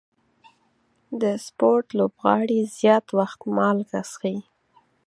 د سپورټ لوبغاړي زیات وخت مالګه څښي.